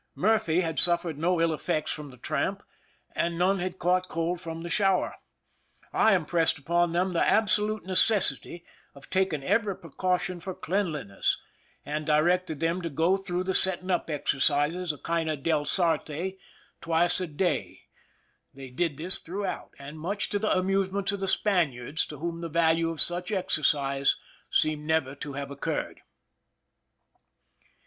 Murphy had suffered no ill effects from the tramp, and none had caught cold from the shower. I impressed upon them the absolute necessity of taking every precaution for cleanliness, and directed them to go through the setting up exercises, a kind of Delsarte, twice a 237 THE SINKING OF THE "MERRIMAC" day. They did this throughont, much to the amusement of the Spaniards, to whom the value of such exercise seemed never to have occurred.